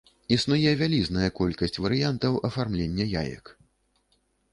Існуе вялізная колькасць варыянтаў афармлення яек.